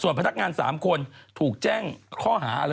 ส่วนพนักงาน๓คนถูกแจ้งข้อหา